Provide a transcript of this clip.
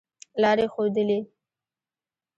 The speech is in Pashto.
لاري ښودلې.